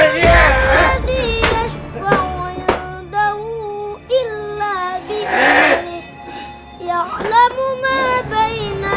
berisik kamu apa mau tidur